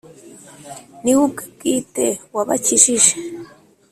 ni we ubwe bwite wabakijije;